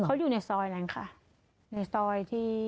เขาอยู่ในซอยนั้นค่ะในซอยที่